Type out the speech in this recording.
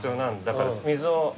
だから水を。